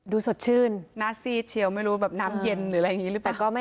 สดชื่นหน้าซีดเชียวไม่รู้แบบน้ำเย็นหรืออะไรอย่างนี้หรือเปล่า